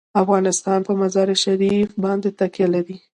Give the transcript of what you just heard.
افغانستان په مزارشریف باندې تکیه لري.